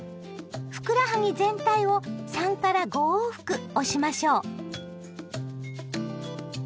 ふくらはぎ全体を３５往復押しましょう。